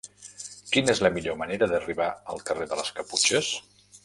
Quina és la millor manera d'arribar al carrer de les Caputxes?